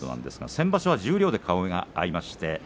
先場所は十両で顔が合いまして翠